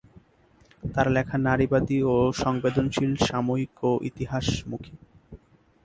তার লেখা নারীবাদী ও সংবেদনশীল, সমসাময়িক ও ইতিহাস মুখী।